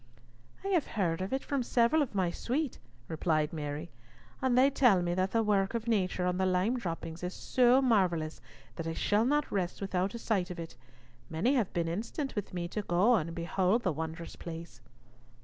"I have heard of it from several of my suite," replied Mary, "and they tell me that the work of nature on the lime droppings is so marvellous that I shall not rest without a sight of it. Many have been instant with me to go and behold the wondrous place."